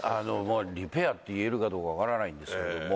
リペアっていえるかどうか分からないんですけれども。